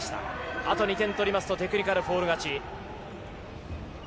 あと２点取りますとテクニカルフォール勝ち。